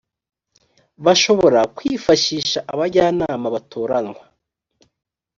bashobora kwifashisha abajyanama batoranywa